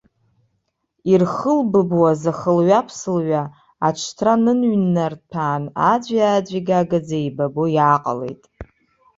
Ирхылбыбуаз ахылҩа-ԥсылҩа, аҽҭра ныҩннарҭәаан, аӡәи-аӡәи гагаӡа еибабо иааҟалеит.